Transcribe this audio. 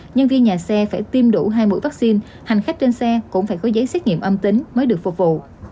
nhân viên nhà xe phải tiêm đủ hai mũi vaccine hành khách trên xe cũng phải có giấy xét nghiệm âm tính mới được phục vụ